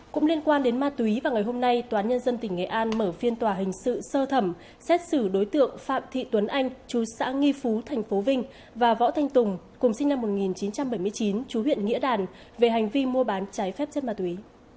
cũng liên quan đến ma túy vào ngày hôm nay toán nhân dân tỉnh nghệ an mở phiên tòa hình sự sơ thẩm xét xử đối tượng phạm thị tuấn anh chú xã nghi phú tp vinh và võ thanh tùng cùng sinh năm một nghìn chín trăm bảy mươi chín chú huyện nghĩa đàn về hành vi mua bán trái phép chất ma túy